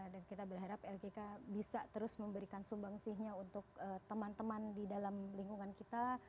dan kita berharap lgk bisa terus memberikan sumbangsihnya untuk teman teman di dalam lingkungan kita